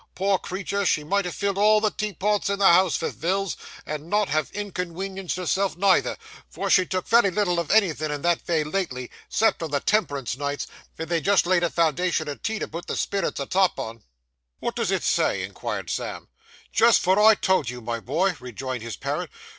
Poor creetur, she might ha' filled all the tea pots in the house vith vills, and not have inconwenienced herself neither, for she took wery little of anythin' in that vay lately, 'cept on the temperance nights, ven they just laid a foundation o' tea to put the spirits atop on!' 'What does it say?' inquired Sam. 'Jist vot I told you, my boy,' rejoined his parent.